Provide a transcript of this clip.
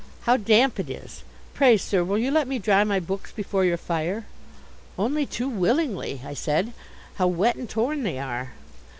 How damp it is! Pray, sir, will you let me dry my books before your fire?" "Only too willingly," I said. "How wet and torn they are!"